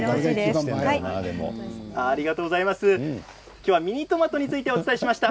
今日はミニトマトについてお伝えしました。